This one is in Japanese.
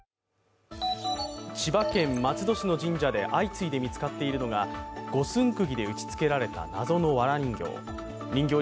千葉県松戸市の神社で相次いで見つかっているのが五寸くぎで打ちつけられた謎のわら人形。